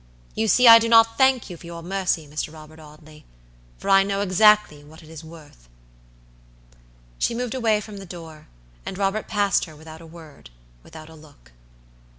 You see I do not thank you for your mercy, Mr. Robert Audley, for I know exactly what it is worth." She moved away from the door, and Robert passed her without a word, without a look.